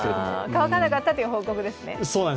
乾かなかったという報告ですね。